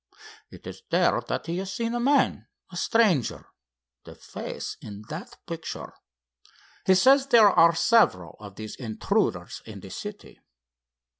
It is there that he has seen a man, a stranger, the face in that picture. He says there are several of these intruders in the city.